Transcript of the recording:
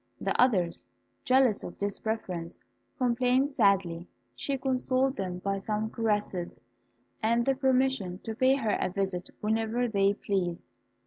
The others, jealous of this preference, complained sadly. She consoled them by some caresses, and the permission to pay her a visit whenever they pleased.